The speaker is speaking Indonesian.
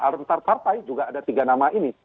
antar partai juga ada tiga nama ini